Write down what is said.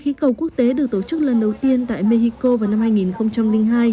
khí cầu quốc tế được tổ chức lần đầu tiên tại mexico vào năm hai nghìn hai